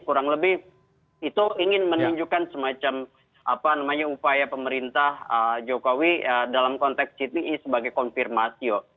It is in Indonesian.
kurang lebih itu ingin menunjukkan semacam upaya pemerintah jokowi dalam konteks cti sebagai konfirmasi